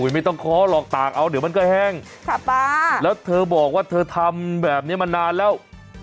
ไม่ต้องเคาะหรอกตากเอาเดี๋ยวมันก็แห้งแล้วเธอบอกว่าเธอทำแบบนี้มานานแล้ว